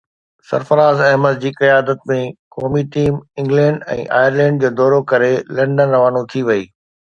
سرفراز احمد جي قيادت ۾ قومي ٽيم انگلينڊ ۽ آئرلينڊ جو دورو ڪري لنڊن روانو ٿي وئي